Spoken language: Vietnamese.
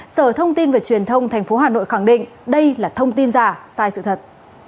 sở thông tin và truyền thông tp hcm khẳng định đây là thông tin giả sai sự thật